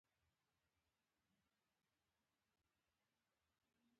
هو آن په همدې د امبولانس په برخه کې هم کېدای شوای.